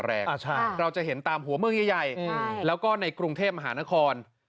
เราจะเห็นตามหัวเมืองใหญ่แล้วก็ในกรุงเทพมหานคร